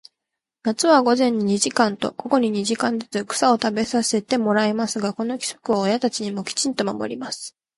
夏は午前に二時間と、午後に二時間ずつ、草を食べさせてもらいますが、この規則を親たちもきちんと守ります。